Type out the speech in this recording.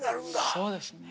そうですね。